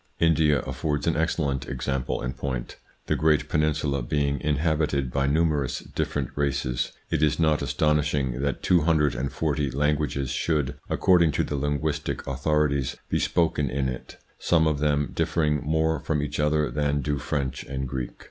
India affords an excellent example in point. The great peninsula being inhabited by numerous different races, it is not astonishing that two hundred and forty languages should, according to the linguistic author ities, be spoken in it, some of them differing more from each other than do French and Greek.